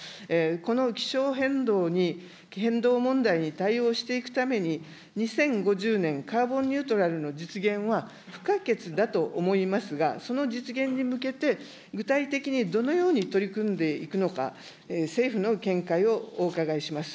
この気象変動問題に対応していくために、２０５０年カーボンニュートラルの実現は不可欠だと思いますが、その実現に向けて、具体的にどのように取り組んでいくのか、政府の見解をお伺いします。